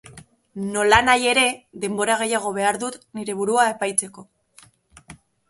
Nolanahi ere, denbora gehiago behar dut nire burua epaitzeko.